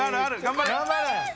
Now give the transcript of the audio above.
頑張れ！